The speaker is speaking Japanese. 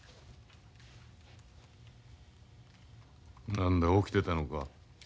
何だ起きてたのか。